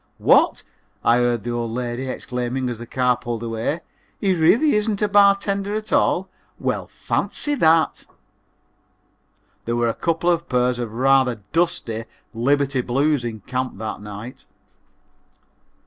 "What," I heard the old lady exclaiming as the car pulled away, "he really isn't a bartender at all well, fancy that!" There were a couple of pairs of rather dusty liberty blues in camp that night.